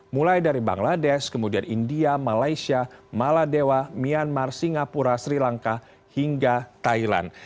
mulai dari bangladesh kemudian india malaysia maladewa myanmar singapura sri lanka hingga thailand